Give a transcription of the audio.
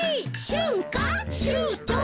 「しゅんかしゅうとう」